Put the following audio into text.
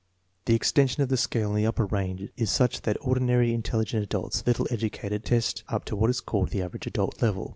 The extension of the scale in the upper range is such that ordinarily intelligent adults, little educated, test up to what is called the " average adult " level.